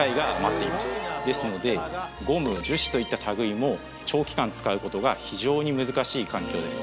すごいなその差がですのでゴム・樹脂といったたぐいも長期間使うことが非常に難しい環境です